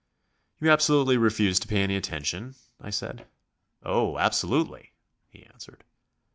"You absolutely refuse to pay any attention?" I said. "Oh, absolutely," he answered.